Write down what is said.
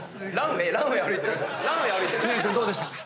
知念君どうでした？